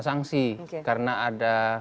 sangsi karena ada